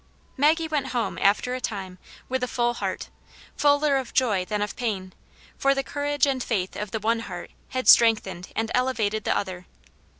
Maggie went home, after a time, with a full heart ; fuller of joy than of pain, for the courage and faith of tht one heart had strengthened and elevated the other.